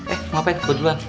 eh ngapain gue duluan